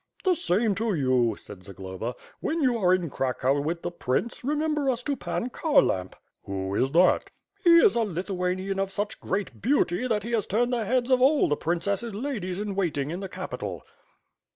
"The same to you," said Zagloba, "when you are in Cracow with the Prince, remember us to Pan Kharlamp." "Who is that?" "He is a Lithuanian of such great beauty that he has turned the heads of all the Princess's ladies in waiting in the capital."